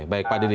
baik pak didi